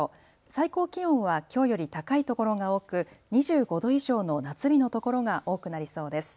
最高気温はきょうより高いところが多く２５度以上の夏日のところが多くなりそうです。